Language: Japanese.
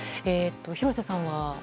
廣瀬さんは？